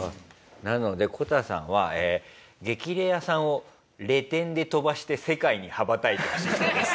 なのでこたさんは『激レアさん』をレ点で飛ばして世界に羽ばたいてほしい人です。